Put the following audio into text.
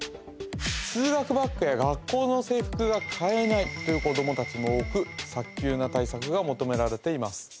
通学バッグや学校の制服が買えないという子どもたちも多く早急な対策が求められています